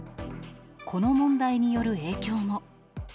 この問題による影響も。